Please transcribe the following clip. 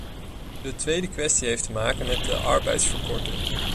De tweede kwestie heeft te maken met de arbeidstijdverkorting.